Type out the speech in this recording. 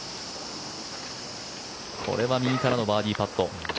これは右からのバーディーパット。